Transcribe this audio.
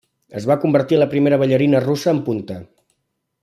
Es va convertir en la primera ballarina russa en punta.